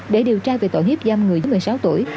để điều tra về tội hiếp dâm người dưới một mươi sáu tuổi